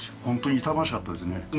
ホントに痛ましかったですね。